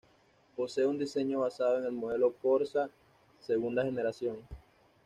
Posee un diseño basado en el modelo Corsa segunda generación.